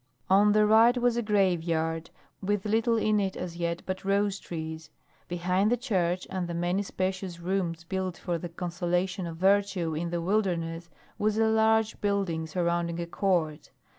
On the right was a graveyard, with little in it as yet but rose trees; behind the church and the many spacious rooms built for the consolation of virtue in the wilderness was a large building surrounding a court.